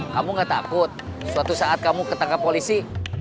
kamu gak takut suatu saat kamu ketangkap polisi